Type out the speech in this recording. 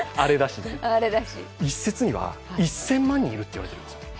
一説には１０００万人いるっていわれてるんです。